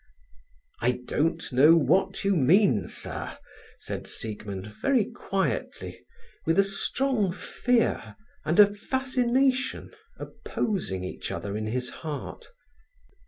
"I don't know what you mean, sir," said Siegmund, very quietly, with a strong fear and a fascination opposing each other in his heart.